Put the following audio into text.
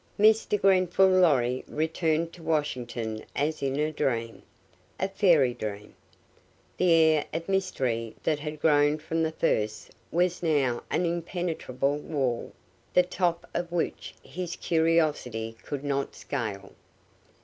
Mr. Grenfall Lorry returned to Washington as in a dream a fairy dream. The air of mystery that had grown from the first was now an impenetrable wall, the top of which his curiosity could not scale.